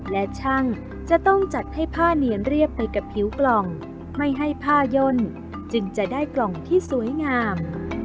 และช่างจะต้องจัดให้ผ้าเนียนเรียบไปกับผิวกล่องไม่ให้ผ้าย่นจึงจะได้กล่องที่สวยงาม